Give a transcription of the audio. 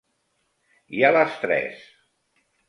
I a les tres?